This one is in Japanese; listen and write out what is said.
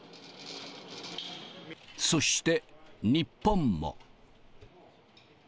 そして日本も。